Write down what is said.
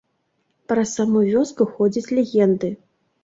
Пра саму вёску ходзяць легенды.